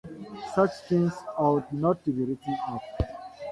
Such things ought not to be written up.